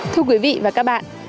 thưa quý vị và các bạn